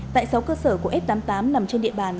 tại sáu cơ sở của f tám mươi tám nằm trên địa bàn